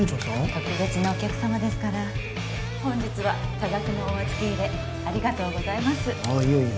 特別なお客様ですから本日は多額のお預け入れありがとうございますああいえいえ